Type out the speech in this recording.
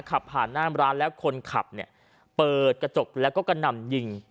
ขับผ่านหน้ามร้านแล้วคนขับปุดกระจกแล้วก็กำนำยิง